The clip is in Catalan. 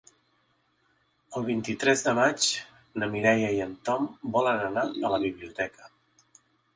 El vint-i-tres de maig na Mireia i en Tom volen anar a la biblioteca.